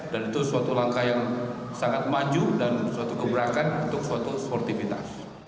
dan itu suatu langkah yang sangat maju dan suatu keberakan untuk suatu sportivitas